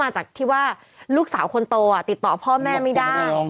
จากที่ว่าลูกสาวคนโตติดต่อพ่อแม่ไม่ได้